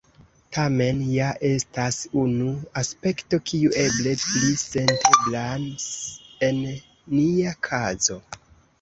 Tamen, ja estas unu aspekto, kiu eble pli senteblas en nia kazo.